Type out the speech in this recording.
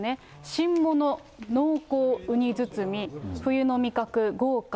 新物濃厚ウニ包み、冬の味覚豪華！